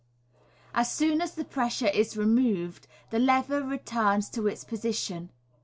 As soon as the pressure is removed, the level returns to its position.